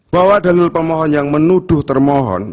bahwa dalil pemohon yang menuduh termohon